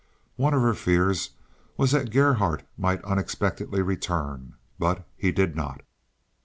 One of her fears was that Gerhardt might unexpectedly return, but he did not.